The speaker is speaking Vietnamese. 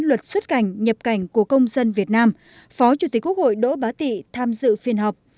luật xuất cảnh nhập cảnh của công dân việt nam phó chủ tịch quốc hội đỗ bá tị tham dự phiên họp